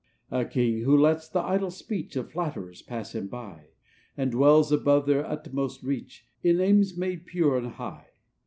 "A king, who lets the idle speech Of flatterers pass him by, And dwells above their utmost reach, In aims made pure and high.